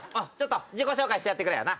自己紹介してやってくれ。